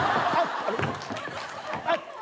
あっ！